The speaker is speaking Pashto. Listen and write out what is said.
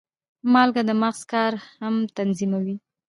مالګه د مغز کار هم تنظیموي.